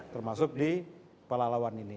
termasuk di pelalawan ini